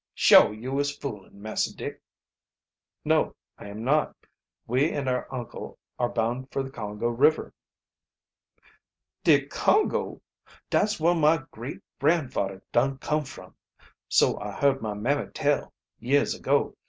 Shuah yo' is foolin', Massah Dick?" "No, I am not. We and our uncle are bound for the Congo River." "De Congo! Dat's whar my great gran' fadder dun come from so I heard my mammy tell, years ago.